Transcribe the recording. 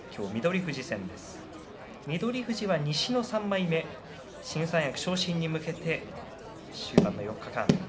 富士は西の３枚目新三役昇進に向けての４日間です。